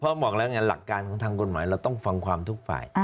เพราะบอกแล้วไงหลักการของทางกฎหมายเราต้องฟังความทุกฝ่าย